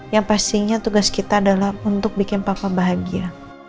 yang pastinya tugas kita adalah untuk bikin papa bahagia